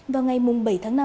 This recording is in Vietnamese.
vào ngày bảy tháng năm